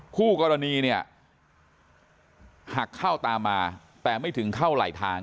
คู่กรณีเนี่ยหักเข้าตามมาแต่ไม่ถึงเข้าไหลทาง